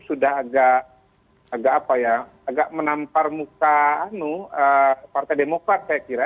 sudah agak apa ya agak menampar muka partai demokrat saya kira